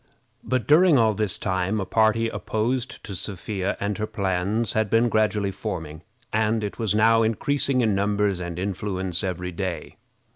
But during all this time a party opposed to Sophia and her plans had been gradually forming, and it was now increasing in numbers and influence every day.